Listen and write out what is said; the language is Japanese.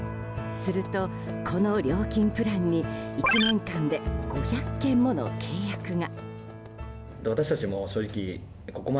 するとこの料金プランに１年間で５００件もの契約が。